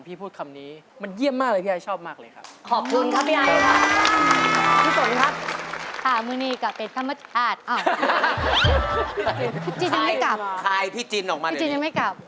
พี่จินยังไม่กลับพี่จินยังไม่กลับคายพี่จินออกมาเลยนี่